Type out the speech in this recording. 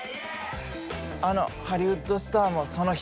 あのハリウッドスターもその一人や。